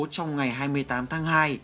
trong ngày hai mươi tám tháng hai